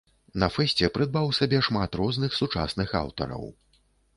На фэсце прыдбаў сабе шмат розных сучасных аўтараў.